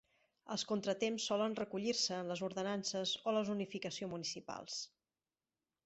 Els contratemps solen recollir-se en les ordenances o la zonificació municipals.